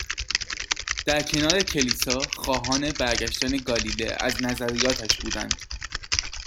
در کنار کلیسا، خواهان برگشتن گالیه از نظریاتش بودند.